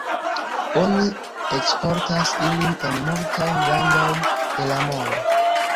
Oni eksportas ilin en multajn landojn de la mondo.